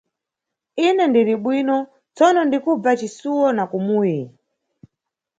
Ine ndiribwino tsono ndikubva cisuwo na kumuyi.